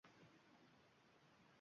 Bormayman, deydi nomard